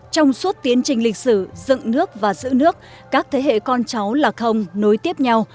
trong suốt tiến trình lịch sử dựng nước và giữ nước các thế hệ con cháu là không nối tiếp nhau